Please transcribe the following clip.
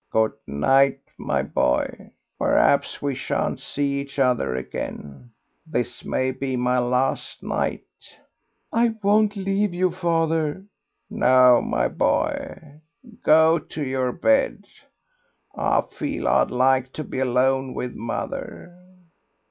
"Good night, my boy; perhaps we shan't see each other again. This may be my last night." "I won't leave you, father." "No, my boy, go to your bed. I feel I'd like to be alone with mother."